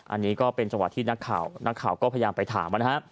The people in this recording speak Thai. อันนี้ก็เป็นจังหวะที่นักข่าวนักข่าวก็พยายามไปถามนะฮะ